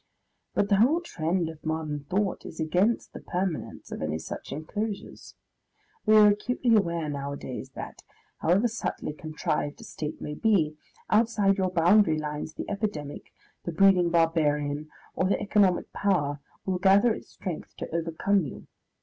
But the whole trend of modern thought is against the permanence of any such enclosures. We are acutely aware nowadays that, however subtly contrived a State may be, outside your boundary lines the epidemic, the breeding barbarian or the economic power, will gather its strength to overcome you.